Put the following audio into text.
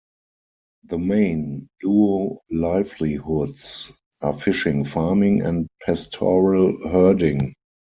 The main Luo livelihoods are fishing, farming and pastoral herding.